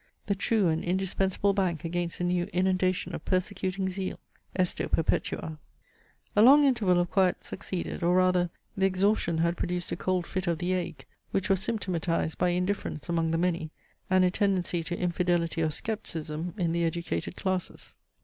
the true and indispensable bank against a new inundation of persecuting zeal Esto perpetua! A long interval of quiet succeeded; or rather, the exhaustion had produced a cold fit of the ague which was symptomatized by indifference among the many, and a tendency to infidelity or scepticism in the educated classes.